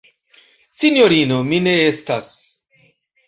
Sinjorino, mi ne estas.